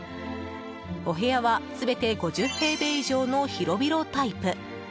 お部屋は全て５０平米以上の広々タイプ。